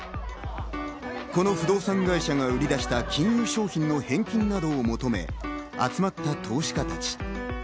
この不動産会社が売り出した金融商品の返金などを求め、集まった投資家たち。